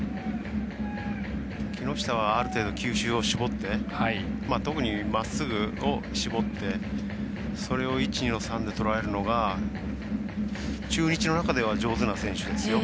木下はある程度、球種を絞って特に、まっすぐを絞ってそれを１、２の３でとらえるのが中日の中では上手な選手ですよ。